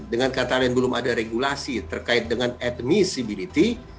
dengan kata lain belum ada regulasi terkait dengan admissibility